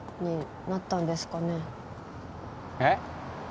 えっ？